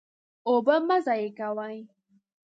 اوبه مه ضایع کوئ.